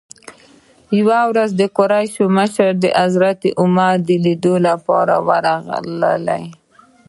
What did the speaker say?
یوې ورځ د قریشو مشران د حضرت عمر لیدلو لپاره راغلل.